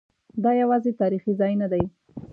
دا یوازې تاریخي ځای نه دی.